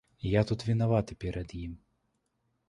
Я тут вінаваты перад ім.